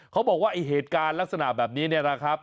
เขาบอกว่าเหตุการณ์ลักษณะแบบนี้นะครับ